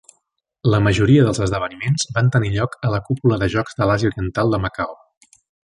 La majoria dels esdeveniments van tenir lloc a la cúpula de jocs de l'Àsia Oriental de Macao.